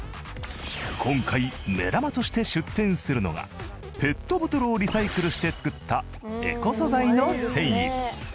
今回目玉として出展するのがペットボトルをリサイクルして作ったエコ素材の繊維。